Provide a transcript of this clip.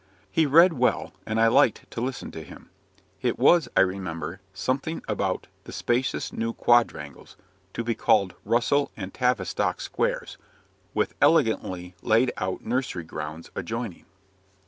He read well, and I liked to listen to him. It was, I remember, something about "the spacious new quadrangles, to be called Russell and Tavistock Squares, with elegantly laid out nursery grounds adjoining."